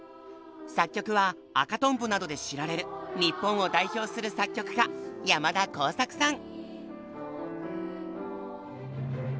作曲は「赤とんぼ」などで知られる日本を代表する作曲家山田耕筰さん。